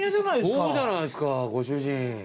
そうじゃないですかご主人。